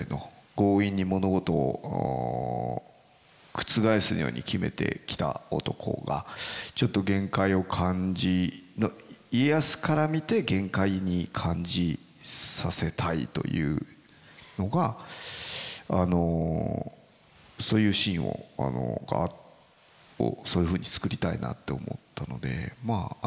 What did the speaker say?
強引に物事を覆すように決めてきた男がちょっと家康から見て限界に感じさせたいというのがそういうシーンをそういうふうに作りたいなと思ったのでまあ